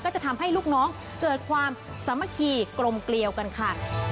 จะทำให้ลูกน้องเกิดความสามัคคีกลมเกลียวกันค่ะ